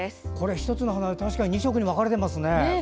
１つの花、確かに２色に分かれていますね。